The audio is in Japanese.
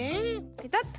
ペタッと。